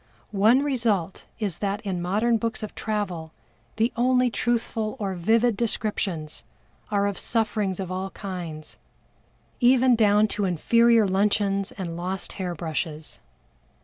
One result is that in modern books of travel the only truthful or vivid descriptions are of sufferings of all kinds, even down to inferior luncheons and lost hair brushes.